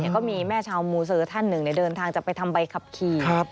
ก็มีแม่ชาวมูเซอร์ท่านหนึ่งเดินทางจะไปทำใบขับขี่